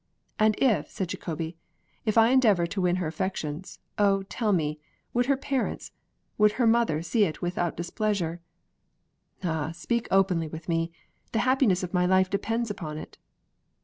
"And if," said Jacobi, "if I endeavor to win her affections, oh, tell me! would her parents, would her mother see it without displeasure? Ah, speak openly with me; the happiness of my life depends upon it!"